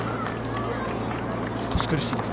少し苦しいですか。